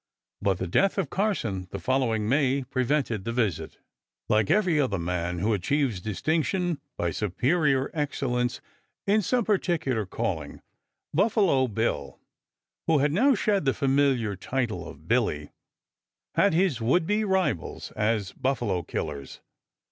But the death of Carson the following May prevented the visit. Like every other man who achieves distinction by superior excellence in some particular calling, Buffalo Bill (who had now shed the familiar title of Billy) had his would be rivals as buffalo killers.